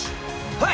はい！